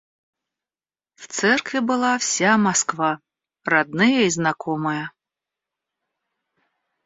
В церкви была вся Москва, родные и знакомые.